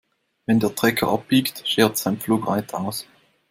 Wenn der Trecker abbiegt, schert sein Pflug weit aus.